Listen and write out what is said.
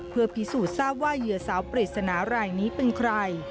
เพื่อพิสูจน์ทราบว่าเหยื่อสาวปริศนารายนี้เป็นใคร